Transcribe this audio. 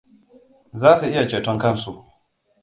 Za su iya ceton kansu.